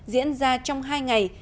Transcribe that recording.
diễn ra trong hai ngày